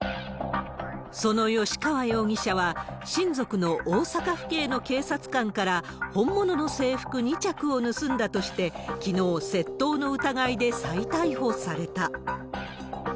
その吉川容疑者は、親族の大阪府警の警察官から、本物の制服２着を盗んだとして、きのう、窃盗の疑いで再逮捕された。